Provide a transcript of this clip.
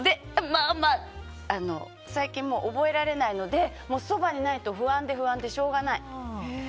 まあまあ最近は覚えられないのでもう、そばにないと不安でしょうがない。